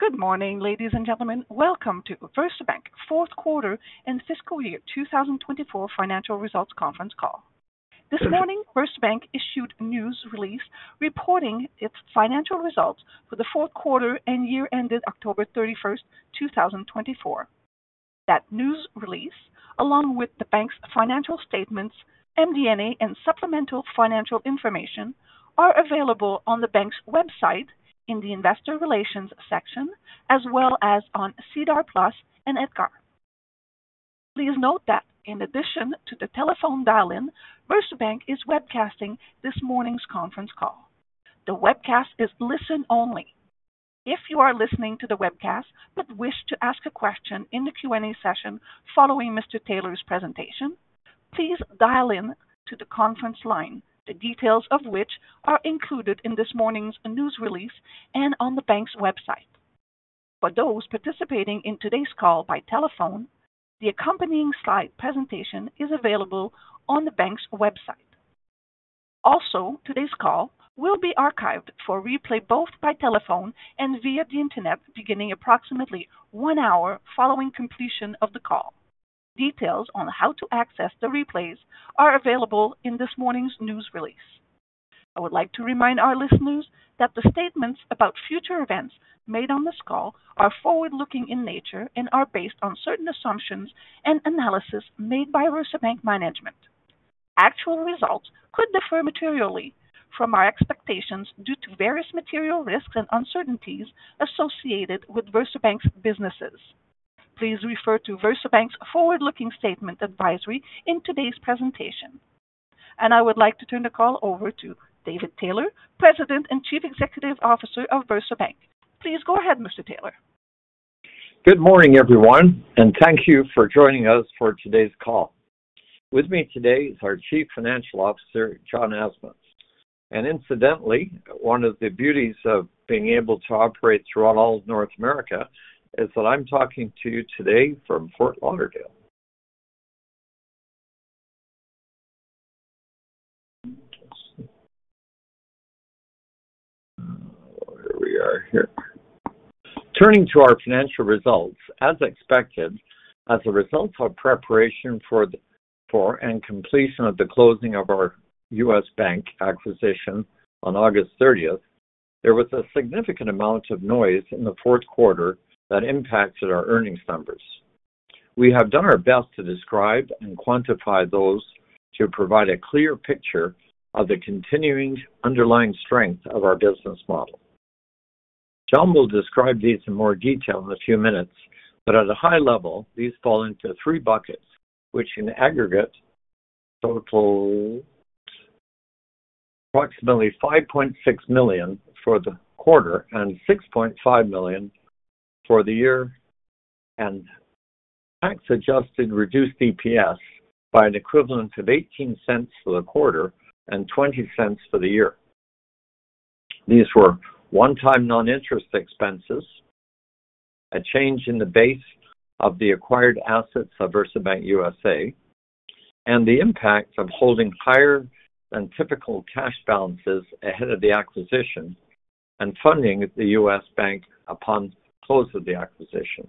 Good morning, ladies and gentlemen. Welcome to VersaBank's fourth quarter and fiscal year 2024 financial results conference call. This morning, VersaBank issued a news release reporting its financial results for the fourth quarter and year-ended October 31st, 2024. That news release, along with the bank's financial statements, MD&A, and supplemental financial information, are available on the bank's website in the Investor Relations section, as well as on SEDAR+ and EDGAR. Please note that, in addition to the telephone dial-in, VersaBank is webcasting this morning's conference call. The webcast is listen-only. If you are listening to the webcast but wish to ask a question in the Q&A session following Mr. Taylor's presentation, please dial in to the conference line, the details of which are included in this morning's news release and on the bank's website. For those participating in today's call by telephone, the accompanying slide presentation is available on the bank's website. Also, today's call will be archived for replay both by telephone and via the internet beginning approximately one hour following completion of the call. Details on how to access the replays are available in this morning's news release. I would like to remind our listeners that the statements about future events made on this call are forward-looking in nature and are based on certain assumptions and analysis made by VersaBank management. Actual results could differ materially from our expectations due to various material risks and uncertainties associated with VersaBank's businesses. Please refer to VersaBank's forward-looking statement advisory in today's presentation. And I would like to turn the call over to David Taylor, President and Chief Executive Officer of VersaBank. Please go ahead, Mr. Taylor. Good morning, everyone, and thank you for joining us for today's call. With me today is our Chief Financial Officer, John Asma, and incidentally, one of the beauties of being able to operate throughout all of North America is that I'm talking to you today from Fort Lauderdale. Here we are here. Turning to our financial results, as expected, as a result of preparation for and completion of the closing of our U.S. bank acquisition on August 30th, there was a significant amount of noise in the fourth quarter that impacted our earnings numbers. We have done our best to describe and quantify those to provide a clear picture of the continuing underlying strength of our business model. John will describe these in more detail in a few minutes, but at a high level, these fall into three buckets, which in aggregate total approximately 5.6 million for the quarter and 6.5 million for the year, and tax-adjusted reduced EPS by an equivalent of 0.18 for the quarter and 0.20 for the year. These were one-time non-interest expenses, a change in the base of the acquired assets of VersaBank USA, and the impact of holding higher than typical cash balances ahead of the acquisition and funding the U.S. bank upon close of the acquisition.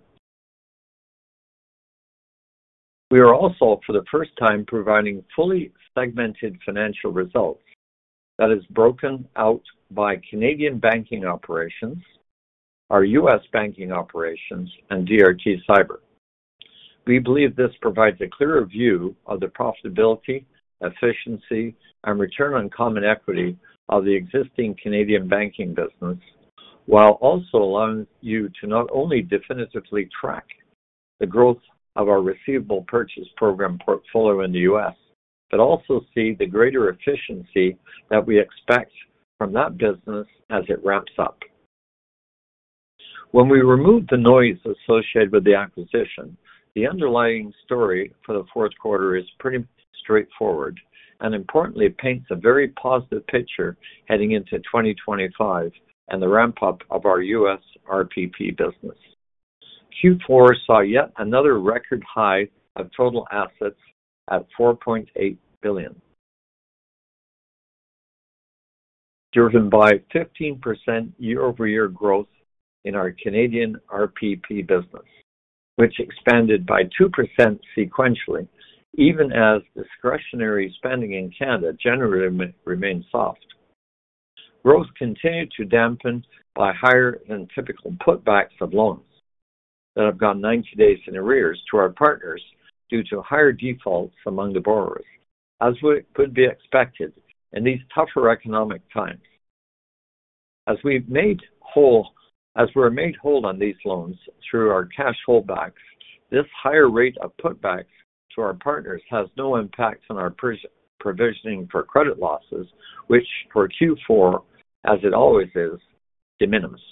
We are also, for the first time, providing fully segmented financial results that is broken out by Canadian banking operations, our U.S. banking operations, and DRT Cyber. We believe this provides a clearer view of the profitability, efficiency, and return on common equity of the existing Canadian banking business, while also allowing you to not only definitively track the growth of our receivable purchase program portfolio in the U.S., but also see the greater efficiency that we expect from that business as it wraps up. When we remove the noise associated with the acquisition, the underlying story for the fourth quarter is pretty straightforward and, importantly, paints a very positive picture heading into 2025 and the ramp-up of our U.S. RPP business. Q4 saw yet another record high of total assets at 4.8 billion, driven by 15% year-over-year growth in our Canadian RPP business, which expanded by 2% sequentially, even as discretionary spending in Canada generally remained soft. Growth continued to dampen by higher than typical put-backs of loans that have gone 90 days in arrears to our partners due to higher defaults among the borrowers, as would be expected in these tougher economic times. As we're made whole on these loans through our cash hold-backs, this higher rate of put-backs to our partners has no impact on our provisioning for credit losses, which for Q4, as it always is, diminished.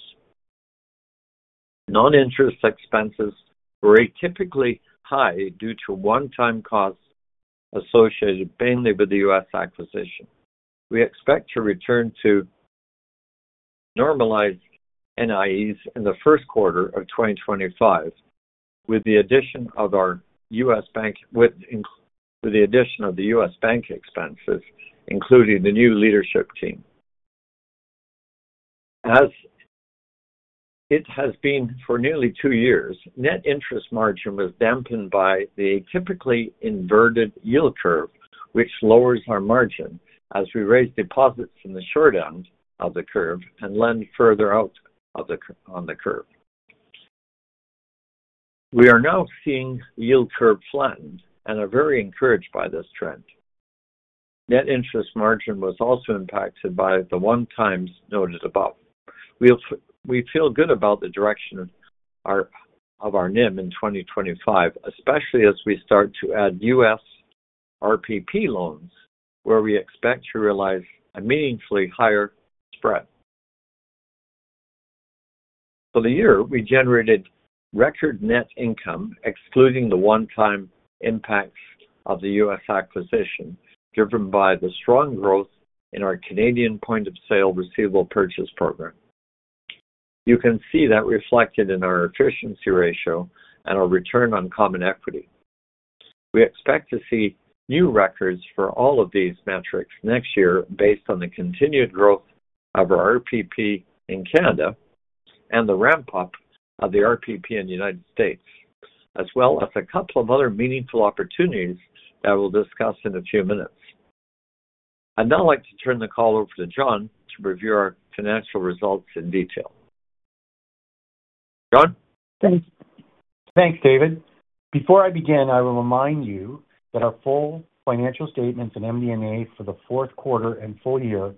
Non-interest expenses were atypically high due to one-time costs associated mainly with the U.S. acquisition. We expect to return to normalized NIEs in the first quarter of 2025 with the addition of our U.S. bank expenses, including the new leadership team. As it has been for nearly two years, net interest margin was dampened by the atypically inverted yield curve, which lowers our margin as we raise deposits in the short end of the curve and lend further out on the curve. We are now seeing the yield curve flatten and are very encouraged by this trend. Net interest margin was also impacted by the one-times noted above. We feel good about the direction of our NIM in 2025, especially as we start to add U.S. RPP loans, where we expect to realize a meaningfully higher spread. For the year, we generated record net income, excluding the one-time impacts of the U.S. acquisition, driven by the strong growth in our Canadian point-of-sale receivable purchase program. You can see that reflected in our efficiency ratio and our return on common equity. We expect to see new records for all of these metrics next year based on the continued growth of our RPP in Canada and the ramp-up of the RPP in the United States, as well as a couple of other meaningful opportunities that we'll discuss in a few minutes. I'd now like to turn the call over to John to review our financial results in detail. John? Thanks. Thanks, David. Before I begin, I will remind you that our full financial statements and MD&A for the fourth quarter and full year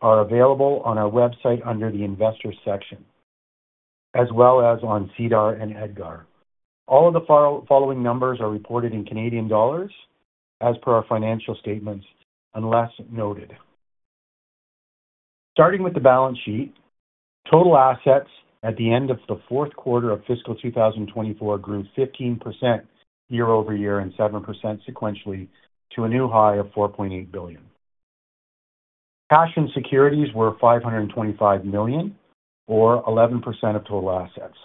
are available on our website under the Investor section, as well as on SEDAR and EDGAR. All of the following numbers are reported in Canadian dollars as per our financial statements, unless noted. Starting with the balance sheet, total assets at the end of the fourth quarter of fiscal 2024 grew 15% year-over-year and 7% sequentially to a new high of 4.8 billion. Cash and securities were 525 million, or 11% of total assets,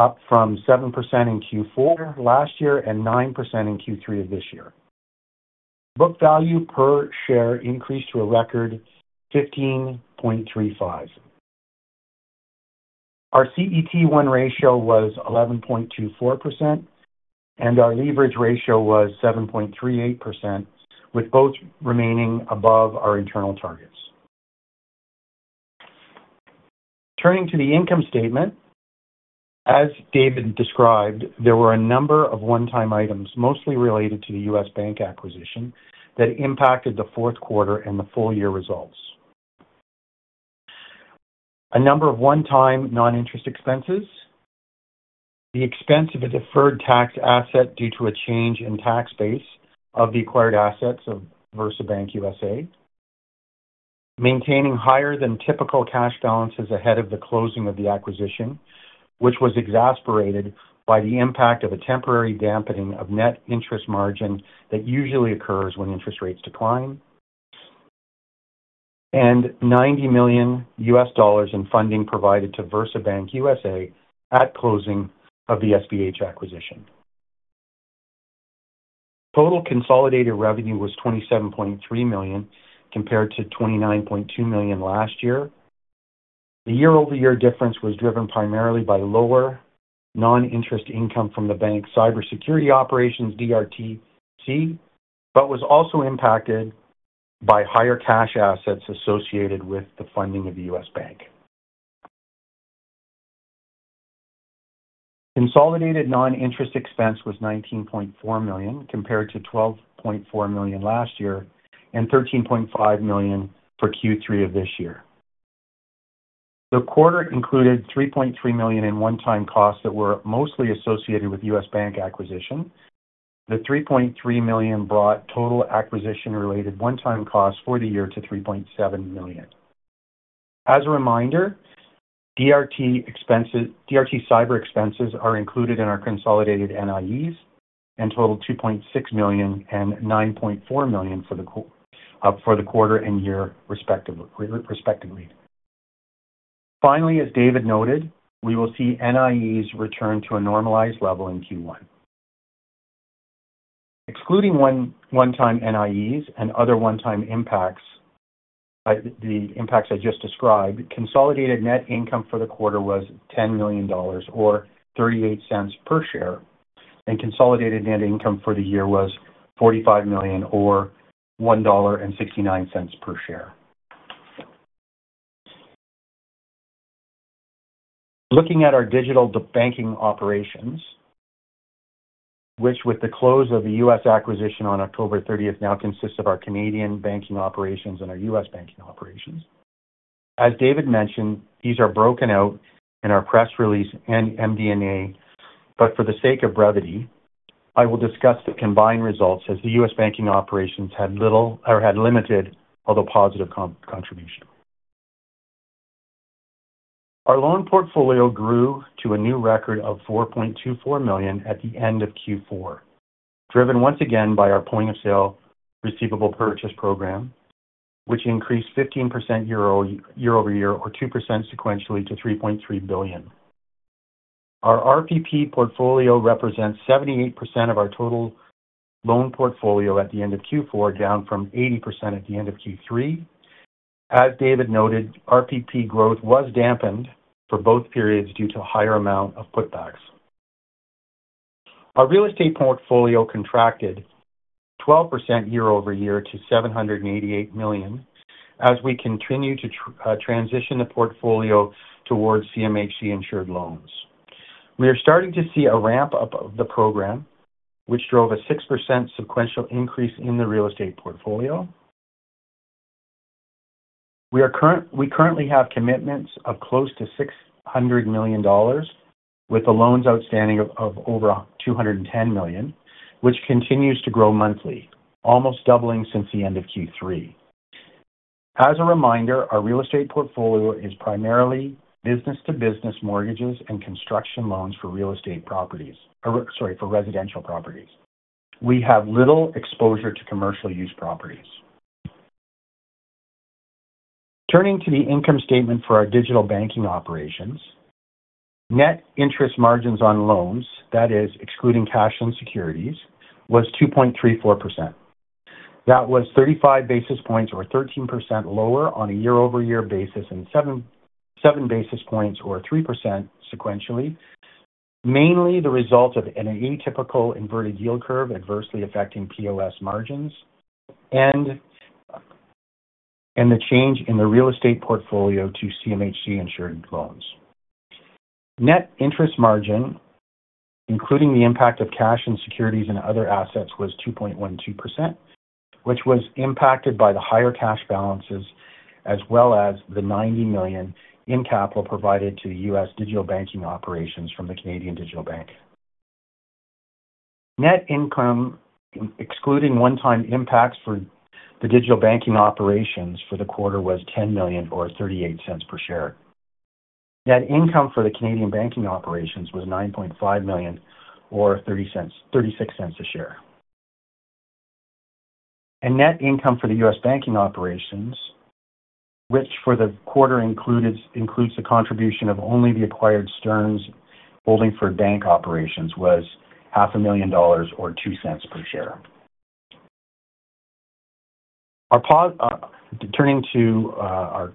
up from 7% in Q4 last year and 9% in Q3 of this year. Book value per share increased to a record 15.35. Our CET1 ratio was 11.24%, and our leverage ratio was 7.38%, with both remaining above our internal targets. Turning to the income statement, as David described, there were a number of one-time items, mostly related to the U.S. bank acquisition, that impacted the fourth quarter and the full-year results. A number of one-time non-interest expenses, the expense of a deferred tax asset due to a change in tax base of the acquired assets of VersaBank USA, maintaining higher than typical cash balances ahead of the closing of the acquisition, which was exacerbated by the impact of a temporary dampening of net interest margin that usually occurs when interest rates decline, and $90 million in funding provided to VersaBank USA at closing of the SBH acquisition. Total consolidated revenue was 27.3 million compared to 29.2 million last year. The year-over-year difference was driven primarily by lower non-interest income from the bank's cybersecurity operations, DRT Cyber, but was also impacted by higher cash assets associated with the funding of the U.S. bank. Consolidated non-interest expense was 19.4 million compared to 12.4 million last year and 13.5 million for Q3 of this year. The quarter included 3.3 million in one-time costs that were mostly associated with U.S. bank acquisition. The 3.3 million brought total acquisition-related one-time costs for the year to 3.7 million. As a reminder, DRT Cyber expenses are included in our consolidated NIEs and total 2.6 million and 9.4 million for the quarter and year respectively. Finally, as David noted, we will see NIEs return to a normalized level in Q1. Excluding one-time NIEs and other one-time impacts I just described, consolidated net income for the quarter was 10 million dollars, or 0.38 per share, and consolidated net income for the year was 45 million, or 1.69 dollar per share. Looking at our digital banking operations, which with the close of the U.S. acquisition on October 30th now consists of our Canadian banking operations and our U.S. banking operations. As David mentioned, these are broken out in our press release and MD&A, but for the sake of brevity, I will discuss the combined results as the U.S. banking operations had limited, although positive, contribution. Our loan portfolio grew to a new record of 4.24 billion at the end of Q4, driven once again by our point-of-sale receivable purchase program, which increased 15% year-over-year, or 2% sequentially to 3.3 billion. Our RPP portfolio represents 78% of our total loan portfolio at the end of Q4, down from 80% at the end of Q3. As David noted, RPP growth was dampened for both periods due to a higher amount of put-backs. Our real estate portfolio contracted 12% year-over-year to 788 million as we continue to transition the portfolio towards CMHC-insured loans. We are starting to see a ramp-up of the program, which drove a 6% sequential increase in the real estate portfolio. We currently have commitments of close to 600 million dollars, with the loans outstanding of over 210 million, which continues to grow monthly, almost doubling since the end of Q3. As a reminder, our real estate portfolio is primarily business-to-business mortgages and construction loans for residential properties. We have little exposure to commercial-use properties. Turning to the income statement for our digital banking operations, net interest margins on loans, that is, excluding cash and securities, was 2.34%. That was 35 basis points, or 13% lower on a year-over-year basis and 7 basis points, or 3% sequentially, mainly the result of an atypical inverted yield curve adversely affecting POS margins and the change in the real estate portfolio to CMHC-insured loans. Net interest margin, including the impact of cash and securities and other assets, was 2.12%, which was impacted by the higher cash balances as well as the 90 million in capital provided to the U.S. digital banking operations from the Canadian digital bank. Net income, excluding one-time impacts for the digital banking operations for the quarter, was 10 million, or 0.38 per share. Net income for the Canadian banking operations was 9.5 million, or 0.36 a share. Net income for the U.S. banking operations, which for the quarter includes the contribution of only the acquired Stearns Holdingford Bank operations, was $500,000, or $0.02 per share. Turning to our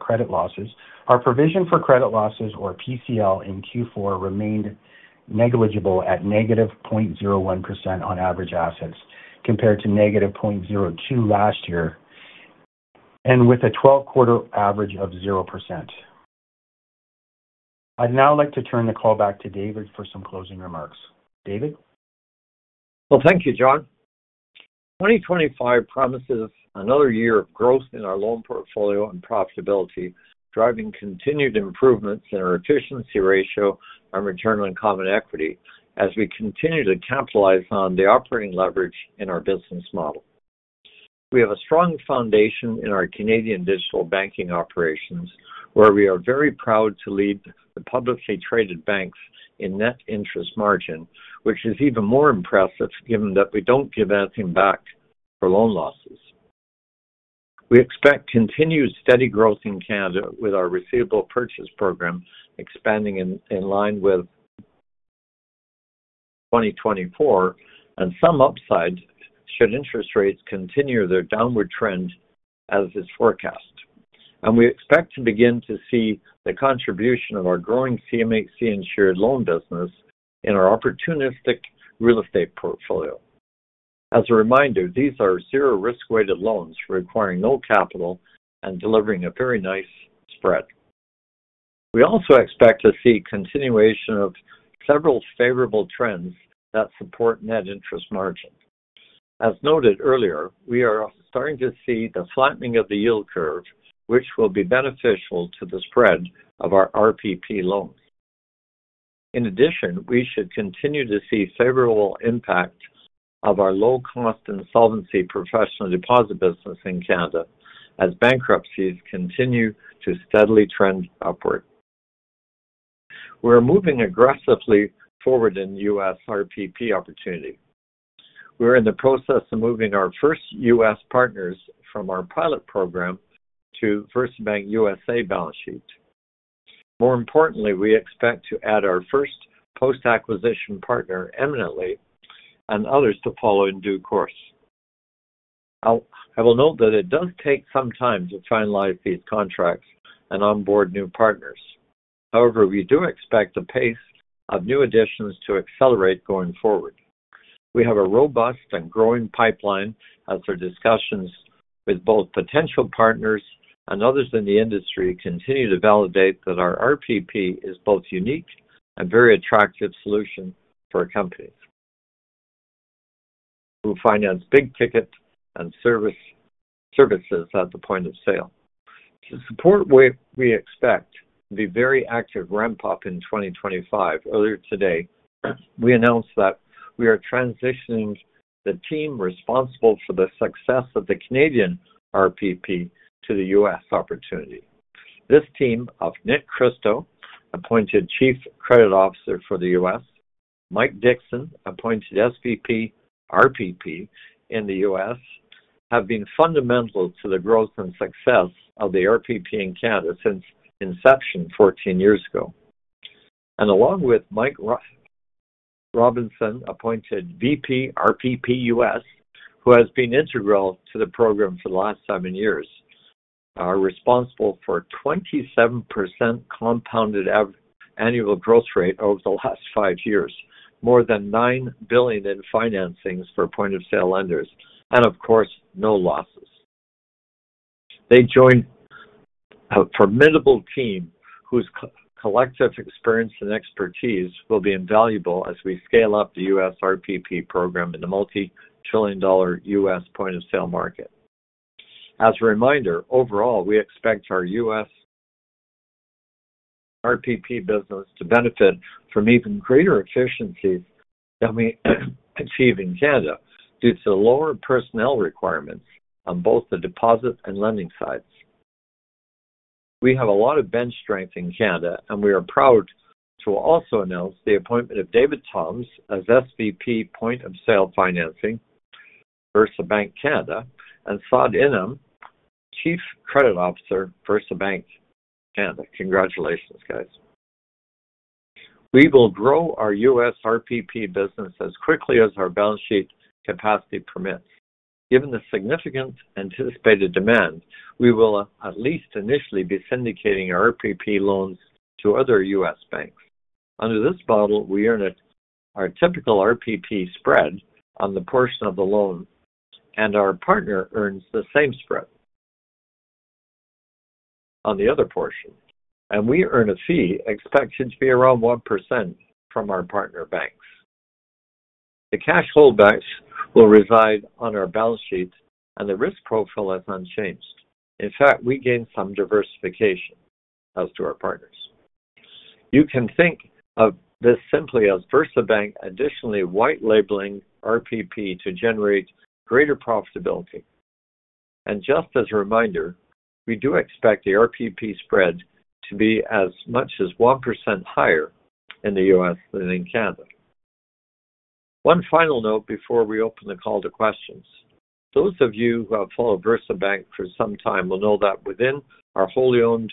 credit losses, our provision for credit losses, or PCL, in Q4 remained negligible at negative 0.01% on average assets compared to negative 0.02% last year and with a 12-quarter average of 0%. I'd now like to turn the call back to David for some closing remarks. David? Thank you, John. 2025 promises another year of growth in our loan portfolio and profitability, driving continued improvements in our efficiency ratio and return on common equity as we continue to capitalize on the operating leverage in our business model. We have a strong foundation in our Canadian digital banking operations, where we are very proud to lead the publicly traded banks in net interest margin, which is even more impressive given that we don't give anything back for loan losses. We expect continued steady growth in Canada with our receivable purchase program expanding in line with 2024 and some upside should interest rates continue their downward trend as is forecast. We expect to begin to see the contribution of our growing CMHC-insured loan business in our opportunistic real estate portfolio. As a reminder, these are zero-risk-weighted loans requiring no capital and delivering a very nice spread. We also expect to see continuation of several favorable trends that support net interest margin. As noted earlier, we are starting to see the flattening of the yield curve, which will be beneficial to the spread of our RPP loans. In addition, we should continue to see favorable impact of our low-cost insolvency professional deposit business in Canada as bankruptcies continue to steadily trend upward. We are moving aggressively forward in the U.S. RPP opportunity. We are in the process of moving our first U.S. partners from our pilot program to VersaBank USA balance sheet. More importantly, we expect to add our first post-acquisition partner imminently and others to follow in due course. I will note that it does take some time to finalize these contracts and onboard new partners. However, we do expect the pace of new additions to accelerate going forward. We have a robust and growing pipeline as our discussions with both potential partners and others in the industry continue to validate that our RPP is both a unique and very attractive solution for a company who finances big ticket and services at the point of sale. To support, we expect to be very active ramp-up in 2025. Earlier today, we announced that we are transitioning the team responsible for the success of the Canadian RPP to the U.S. opportunity. This team of Nick Crist, appointed Chief Credit Officer for the U.S., Mike Dixon, appointed SVP RPP in the U.S., have been fundamental to the growth and success of the RPP in Canada since inception 14 years ago. Along with Mike Robinson, appointed VP, RPP U.S., who has been integral to the program for the last seven years, are responsible for 27% compounded annual growth rate over the last five years, more than $9 billion in financings for point-of-sale lenders, and of course, no losses. They join a formidable team whose collective experience and expertise will be invaluable as we scale up the US RPP program in the multi-trillion-dollar U.S. point-of-sale market. As a reminder, overall, we expect our U.S. RPP business to benefit from even greater efficiencies than we achieve in Canada due to the lower personnel requirements on both the deposit and lending sides. We have a lot of bench strength in Canada, and we are proud to also announce the appointment of David Thoms as SVP, Point-of-Sale Financing, at VersaBank Canada and Saad Inam, Chief Credit Officer at VersaBank Canada. Congratulations, guys. We will grow our U.S. RPP business as quickly as our balance sheet capacity permits. Given the significant anticipated demand, we will at least initially be syndicating our RPP loans to other U.S. banks. Under this model, we earn our typical RPP spread on the portion of the loan, and our partner earns the same spread on the other portion, and we earn a fee expected to be around 1% from our partner banks. The cash holdbacks will reside on our balance sheet, and the risk profile is unchanged. In fact, we gain some diversification as to our partners. You can think of this simply as VersaBank additionally white-labeling RPP to generate greater profitability. Just as a reminder, we do expect the RPP spread to be as much as 1% higher in the U.S. than in Canada. One final note before we open the call to questions. Those of you who have followed VersaBank for some time will know that within our wholly owned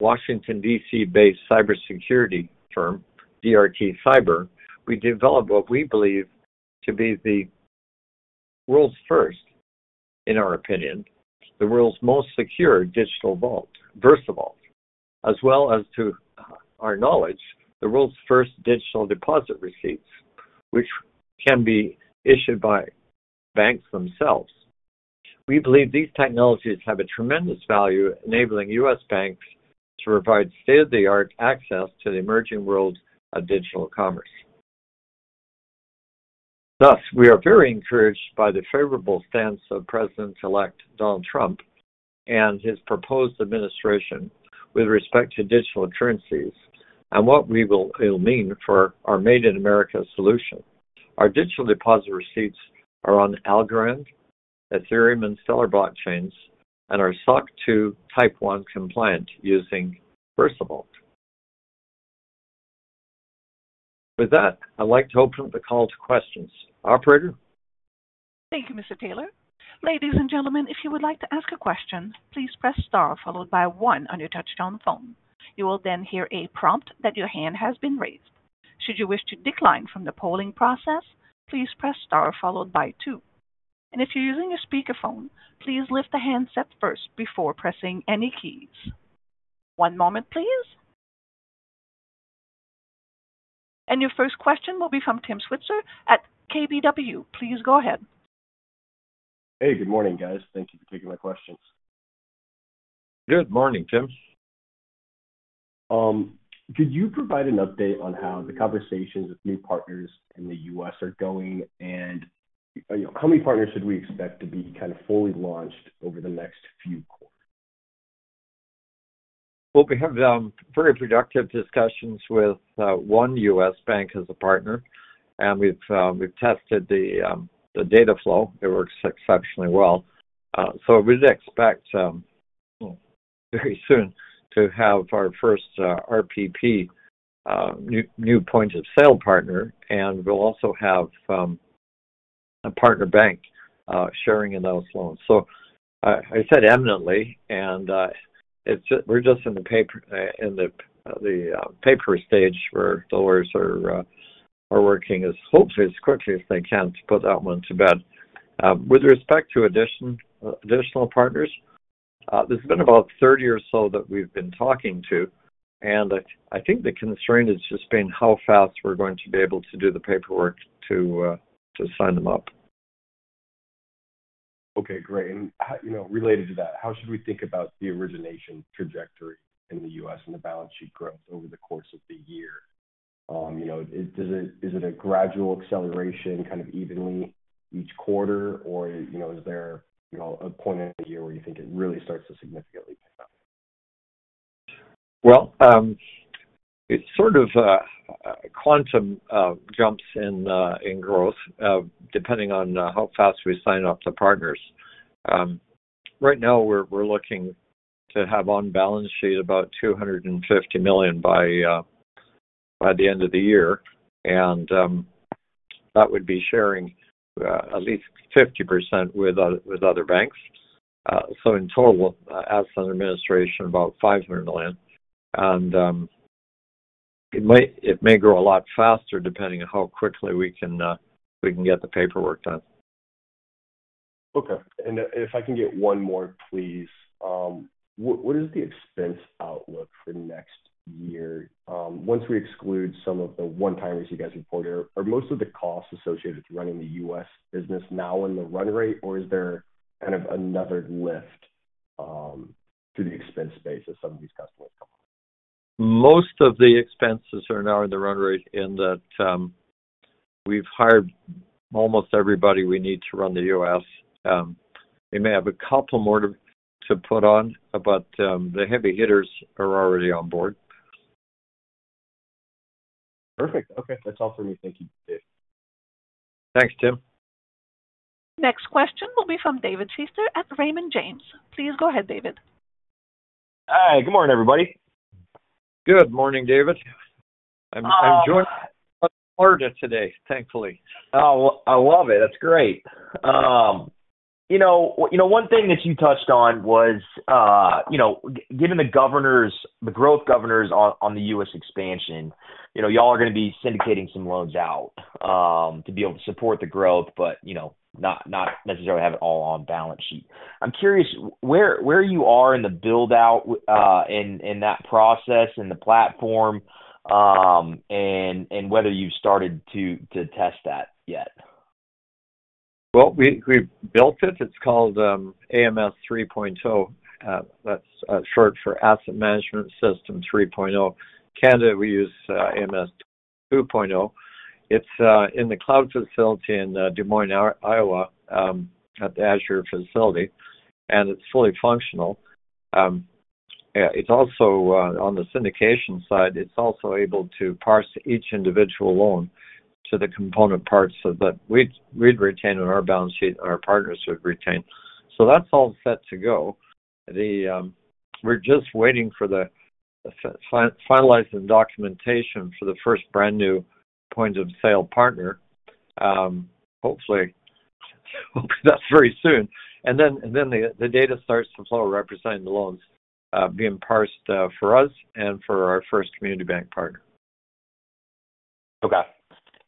Washington, D.C.-based cybersecurity firm, DRT Cyber, we developed what we believe to be the world's first, in our opinion, the world's most secure digital vault, VersaVault, as well as, to our knowledge, the world's first digital deposit receipts, which can be issued by banks themselves. We believe these technologies have a tremendous value, enabling U.S. banks to provide state-of-the-art access to the emerging world of digital commerce. Thus, we are very encouraged by the favorable stance of President-elect Donald Trump and his proposed administration with respect to digital currencies and what it will mean for our Made in America solution. Our digital deposit receipts are on Algorand, Ethereum, and Stellar blockchains, and are SOC2 Type 1 compliant using VersaVault. With that, I'd like to open up the call to questions. Operator? Thank you, Mr. Taylor. Ladies and gentlemen, if you would like to ask a question, please press star followed by one on your touch-tone phone. You will then hear a prompt that your hand has been raised. Should you wish to decline from the polling process, please press star followed by two. And if you're using your speakerphone, please lift the handset first before pressing any keys. One moment, please. And your first question will be from Tim Switzer at KBW. Please go ahead. Hey, good morning, guys. Thank you for taking my questions. Good morning, Tim. Could you provide an update on how the conversations with new partners in the U.S. are going, and how many partners should we expect to be kind of fully launched over the next few quarters? We have very productive discussions with one U.S. bank as a partner, and we've tested the data flow. It works exceptionally well. We'd expect very soon to have our first RPP new point-of-sale partner, and we'll also have a partner bank sharing in those loans. I said imminently, and we're just in the paper stage where the lawyers are working as quickly as they can to put that one to bed. With respect to additional partners, there's been about 30 or so that we've been talking to, and I think the constraint has just been how fast we're going to be able to do the paperwork to sign them up. Okay, great. And related to that, how should we think about the origination trajectory in the U.S. and the balance sheet growth over the course of the year? Is it a gradual acceleration kind of evenly each quarter, or is there a point in the year where you think it really starts to significantly pick up? It's sort of quantum jumps in growth depending on how fast we sign up the partners. Right now, we're looking to have on balance sheet about 250 million by the end of the year, and that would be sharing at least 50% with other banks. In total, as an administration, about 500 million. It may grow a lot faster depending on how quickly we can get the paperwork done. Okay, and if I can get one more, please. What is the expense outlook for the next year once we exclude some of the one-timers you guys report? Are most of the costs associated with running the U.S. business now in the run rate, or is there kind of another lift to the expense base as some of these customers come on? Most of the expenses are now in the run rate in that we've hired almost everybody we need to run the U.S. We may have a couple more to put on, but the heavy hitters are already on board. Perfect. Okay. That's all for me. Thank you, David. Thanks, Tim. Next question will be from David Feaster at Raymond James. Please go ahead, David. Hi. Good morning, everybody. Good morning, David. I'm joining from Florida today, thankfully. I love it. That's great. One thing that you touched on was given the growth governors on the U.S. expansion, y'all are going to be syndicating some loans out to be able to support the growth, but not necessarily have it all on balance sheet. I'm curious where you are in the build-out in that process, in the platform, and whether you've started to test that yet. We've built it. It's called AMS 3.0. That's short for Asset Management System 3.0. Canada, we use AMS 2.0. It's in the cloud facility in Des Moines, Iowa, at the Azure facility, and it's fully functional. It's also on the syndication side. It's also able to parse each individual loan to the component parts that we'd retain on our balance sheet and our partners would retain. That's all set to go. We're just waiting for the finalizing documentation for the first brand new point-of-sale partner. Hopefully, that's very soon. Then the data starts to flow representing the loans being parsed for us and for our first community bank partner. Okay.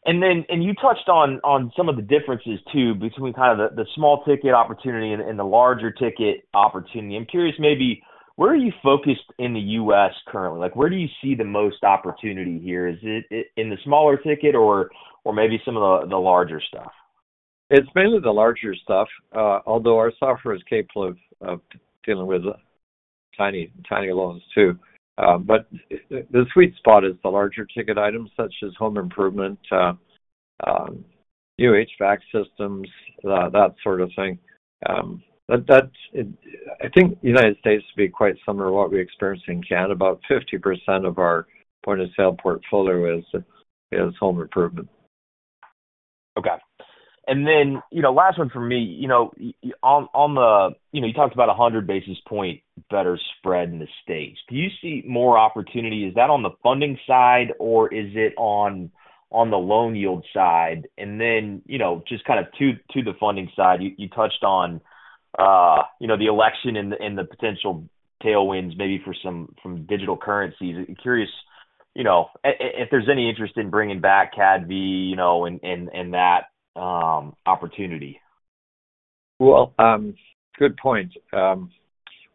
And you touched on some of the differences too between kind of the small ticket opportunity and the larger ticket opportunity. I'm curious maybe where are you focused in the U.S. currently? Where do you see the most opportunity here? Is it in the smaller ticket or maybe some of the larger stuff? It's mainly the larger stuff, although our software is capable of dealing with tiny loans too. But the sweet spot is the larger ticket items such as home improvement, new HVAC systems, that sort of thing. I think the United States would be quite similar to what we experience in Canada. About 50% of our point-of-sale portfolio is home improvement. Okay. And then last one for me. You talked about 100 basis points better spread in the states. Do you see more opportunity? Is that on the funding side, or is it on the loan yield side? And then just kind of to the funding side, you touched on the election and the potential tailwinds maybe from digital currencies. Curious if there's any interest in bringing back VCAD and that opportunity. Good point. On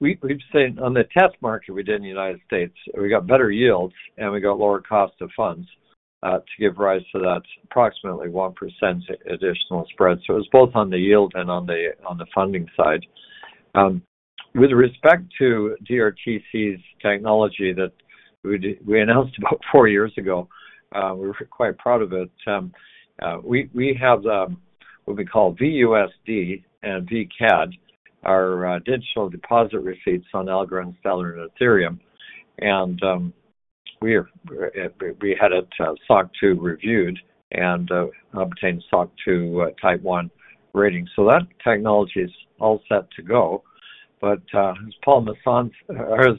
the test market we did in the United States, we got better yields and we got lower cost of funds to give rise to that approximately 1% additional spread. It was both on the yield and on the funding side. With respect to DRT Cyber's technology that we announced about four years ago, we were quite proud of it. We have what we call VUSD and VCAD, our digital deposit receipts on Algorand, Stellar, and Ethereum. We had it SOC2 reviewed and obtained SOC2 Type 1 rating. That technology is all set to go. But as Paul Masson or as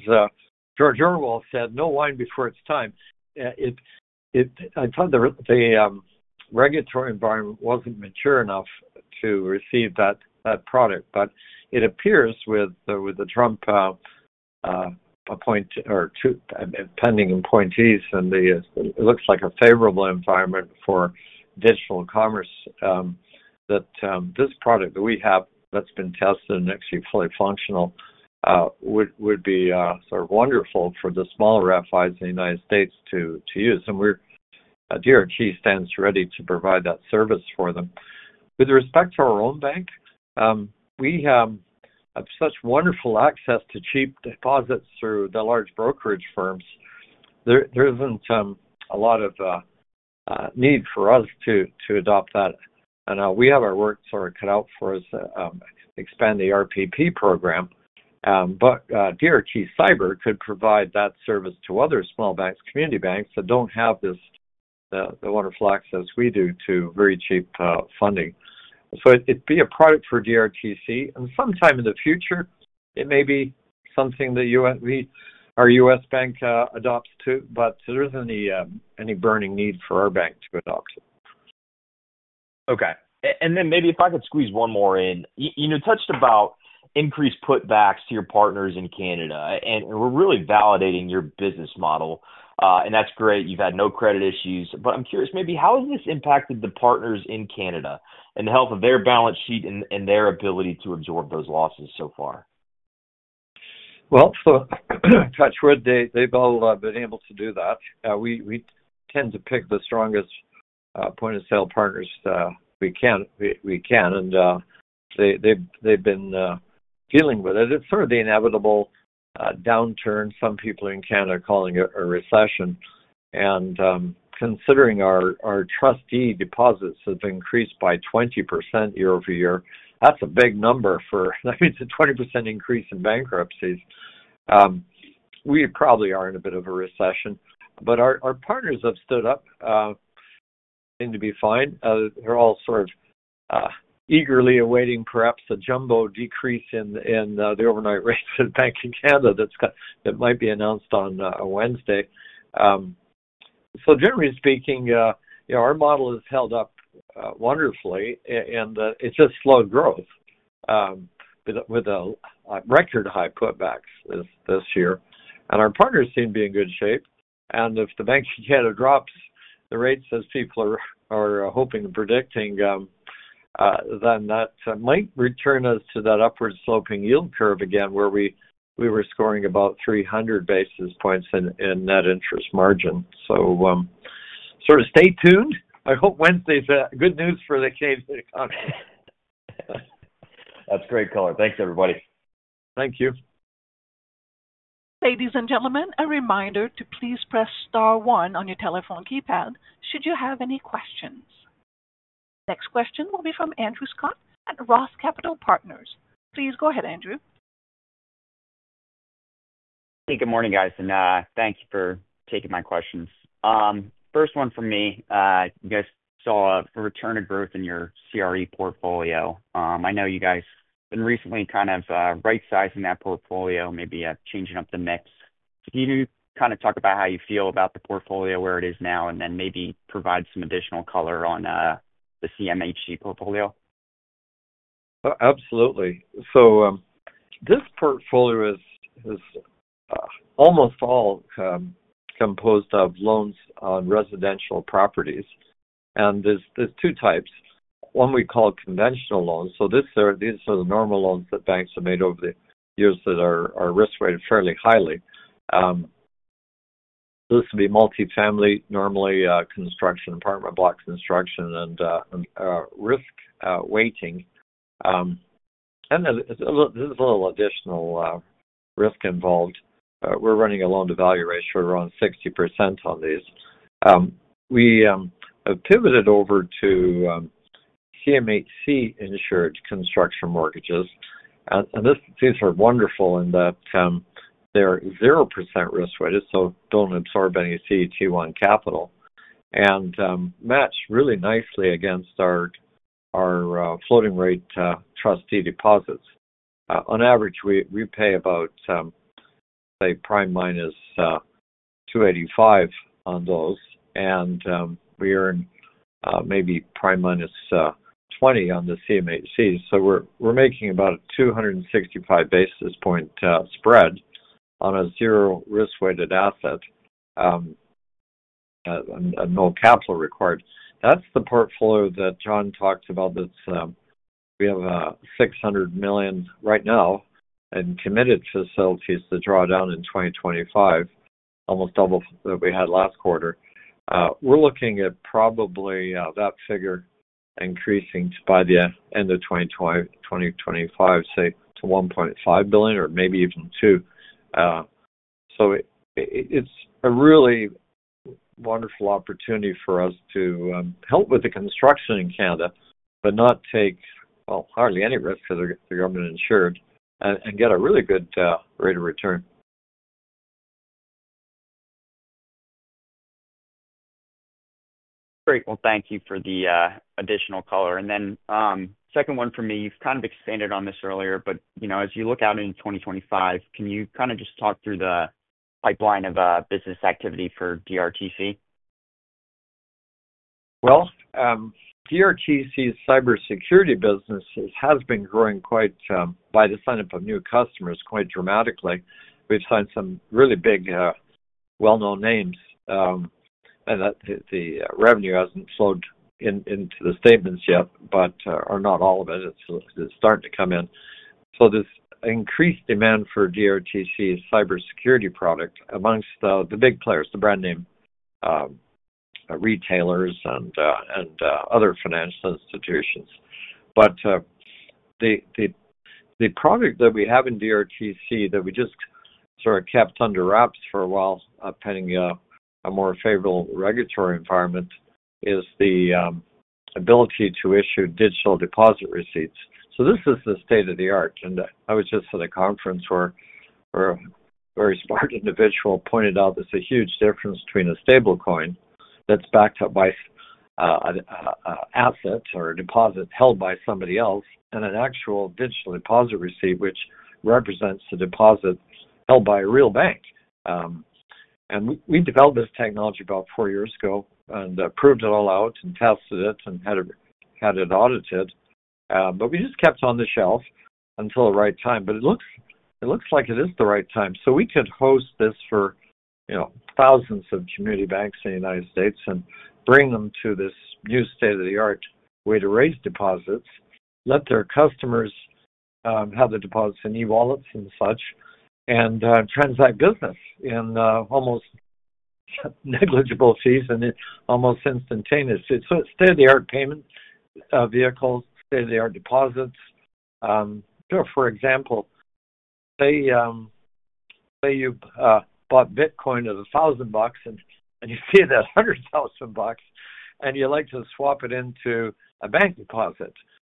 George Orwell said, "No wine before its time." I thought the regulatory environment wasn't mature enough to receive that product, but it appears with the Trump appointment or pending appointees, and it looks like a favorable environment for digital commerce that this product that we have that's been tested and actually fully functional would be sort of wonderful for the smaller FIs in the United States to use. And DRT stands ready to provide that service for them. With respect to our own bank, we have such wonderful access to cheap deposits through the large brokerage firms. There isn't a lot of need for us to adopt that. And we have our work sort of cut out for us to expand the RPP program. But DRT Cyber could provide that service to other small banks, community banks that don't have the wonderful access we do to very cheap funding. So it'd be a product for DRT Cyber. And sometime in the future, it may be something that our U.S. bank adopts too, but there isn't any burning need for our bank to adopt it. Okay. And then maybe if I could squeeze one more in. You touched about increased put-backs to your partners in Canada, and we're really validating your business model. And that's great. You've had no credit issues. But I'm curious maybe how has this impacted the partners in Canada and the health of their balance sheet and their ability to absorb those losses so far? Touch wood, they've all been able to do that. We tend to pick the strongest point-of-sale partners we can, and they've been dealing with it. It's sort of the inevitable downturn. Some people in Canada are calling it a recession. Considering our trustee deposits have increased by 20% year over year, that's a big number for, I mean, it's a 20% increase in bankruptcies. We probably are in a bit of a recession, but our partners have stood up and seem to be fine. They're all sort of eagerly awaiting perhaps a jumbo decrease in the overnight rates of the Bank of Canada that might be announced on Wednesday. Generally speaking, our model has held up wonderfully, and it's just slow growth with record high put-backs this year. Our partners seem to be in good shape. If the Bank of Canada drops the rates as people are hoping and predicting, then that might return us to that upward-sloping yield curve again where we were scoring about 300 basis points in net interest margin. Sort of stay tuned. I hope Wednesday's good news for the Canadian economy. That's great color. Thanks, everybody. Thank you. Ladies and gentlemen, a reminder to please press star one on your telephone keypad should you have any questions. Next question will be from Andrew Scott at Roth Capital Partners. Please go ahead, Andrew. Hey, good morning, guys. And thank you for taking my questions. First one for me, you guys saw a return of growth in your CRE portfolio. I know you guys have been recently kind of right-sizing that portfolio, maybe changing up the mix. Can you kind of talk about how you feel about the portfolio where it is now and then maybe provide some additional color on the CMHC portfolio? Absolutely. So this portfolio is almost all composed of loans on residential properties. And there's two types. One we call conventional loans. So these are the normal loans that banks have made over the years that are risk-rated fairly highly. This would be multifamily, normally construction, apartment block construction, and risk-weighting. And there's a little additional risk involved. We're running a loan-to-value ratio around 60% on these. We have pivoted over to CMHC-insured construction mortgages. And these are wonderful in that they're 0% risk-rated, so don't absorb any CET1 capital, and match really nicely against our floating-rate trustee deposits. On average, we pay about, say, prime minus 285 on those, and we earn maybe prime minus 20 on the CMHC. So we're making about a 265 basis point spread on a zero risk-weighted asset and no capital required. That's the portfolio that John talked about. We have 600 million right now and committed facilities to draw down in 2025, almost double what we had last quarter. We're looking at probably that figure increasing by the end of 2025, say, to 1.5 billion or maybe even 2 billion. So it's a really wonderful opportunity for us to help with the construction in Canada but not take, well, hardly any risk because they're government-insured and get a really good rate of return. Great. Well, thank you for the additional color. And then, second one for me, you've kind of expanded on this earlier, but as you look out into 2025, can you kind of just talk through the pipeline of business activity for DRT Cyber? DRT's cybersecurity business has been growing quite by the sign-up of new customers quite dramatically. We've signed some really big well-known names, and the revenue hasn't flowed into the statements yet, but not all of it. It's starting to come in, so this increased demand for DRT's cybersecurity product among the big players, the brand-name retailers and other financial institutions, but the product that we have in DRT that we just sort of kept under wraps for a while pending a more favorable regulatory environment is the ability to issue digital deposit receipts, so this is the state-of-the-art. I was just at a conference where a very smart individual pointed out there's a huge difference between a stablecoin that's backed up by an asset or a deposit held by somebody else and an actual digital deposit receipt, which represents the deposit held by a real bank. We developed this technology about four years ago and proved it all out and tested it and had it audited. We just kept it on the shelf until the right time. It looks like it is the right time. We could host this for thousands of community banks in the United States and bring them to this new state-of-the-art way to raise deposits, let their customers have the deposits in e-wallets and such, and transact business in almost negligible fees and almost instantaneous fees. It's state-of-the-art payment vehicles, state-of-the-art deposits. For example, say you bought Bitcoin at $1,000 and you see it at $100,000 and you'd like to swap it into a bank deposit.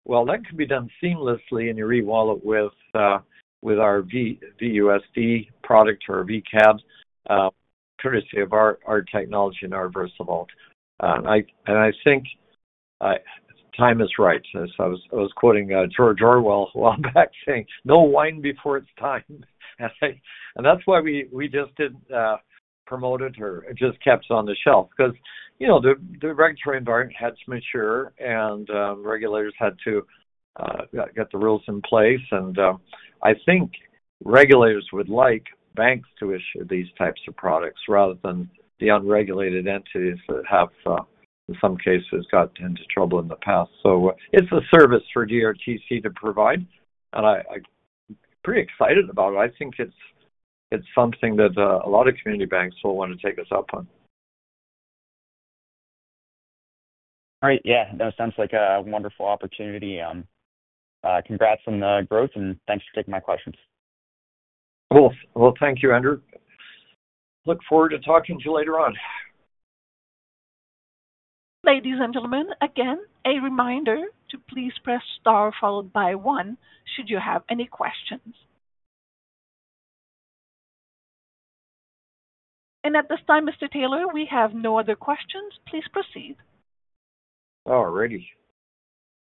Well, that could be done seamlessly in your e-wallet with our VUSD product or VCAD, courtesy of our technology and our versatility, and I think time is right. I was quoting George Orwell a while back saying, "No wine before its time," and that's why we just didn't promote it or just kept it on the shelf because the regulatory environment had to mature and regulators had to get the rules in place, and I think regulators would like banks to issue these types of products rather than the unregulated entities that have, in some cases, gotten into trouble in the past, so it's a service for DRT Cyber to provide, and I'm pretty excited about it. I think it's something that a lot of community banks will want to take us up on. All right. Yeah. That sounds like a wonderful opportunity. Congrats on the growth, and thanks for taking my questions. Cool. Well, thank you, Andrew. Look forward to talking to you later on. Ladies and gentlemen, again, a reminder to please press star followed by one should you have any questions, and at this time, Mr. Taylor, we have no other questions. Please proceed. All righty.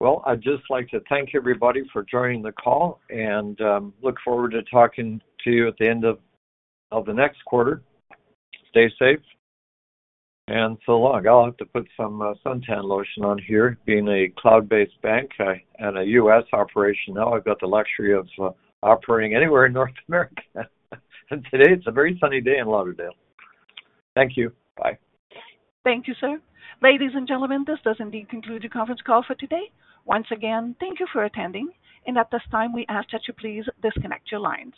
Well, I'd just like to thank everybody for joining the call and look forward to talking to you at the end of the next quarter. Stay safe. And so long. I'll have to put some suntan lotion on here. Being a cloud-based bank and a U.S. operation now, I've got the luxury of operating anywhere in North America. And today is a very sunny day in Lauderdale. Thank you. Bye. Thank you, sir. Ladies and gentlemen, this does indeed conclude the conference call for today. Once again, thank you for attending. And at this time, we ask that you please disconnect your lines.